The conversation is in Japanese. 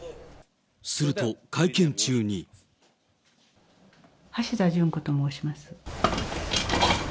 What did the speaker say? すると、会見中に。橋田淳子と申します。